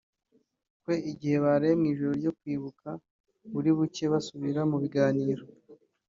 ko igihe baraye mu ujoiro ryo kwibuka buri buke basubira mu biganiro